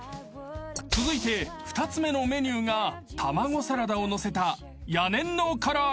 ［続いて２つ目のメニューが卵サラダをのせた］